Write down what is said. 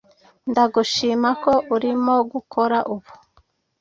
ndagushima ko urimo gukora ubu